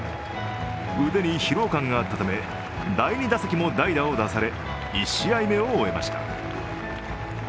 腕に疲労感があったため、第２打席も代打を出され、１試合目を終えました。